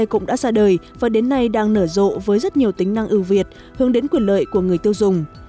cũng đã ra đời và đến nay đang nở rộ với rất nhiều tính năng ưu việt hướng đến quyền lợi của người tiêu dùng